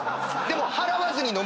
でも。